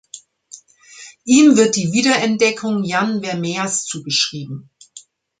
Ihm wird die Wiederentdeckung Jan Vermeers zugeschrieben.